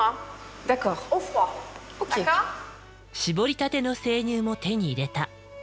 搾りたての生乳も手に入れた。